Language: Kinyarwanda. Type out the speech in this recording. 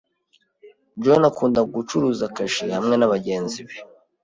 John akunda gucuruza kashe hamwe nabagenzi be.